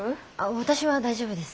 私は大丈夫です。